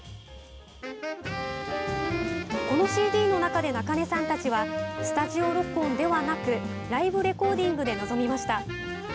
このＣＤの中で、中根さんたちはスタジオ録音ではなくライブレコーディングで臨みました。